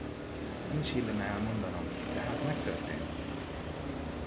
Nem is illene elmondanom, de hát megtörtént!